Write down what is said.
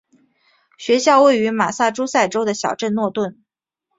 学校位于马萨诸塞州的小镇诺顿。